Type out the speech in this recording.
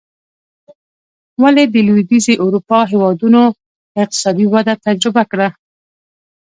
ولې د لوېدیځې اروپا هېوادونو اقتصادي وده تجربه کړه.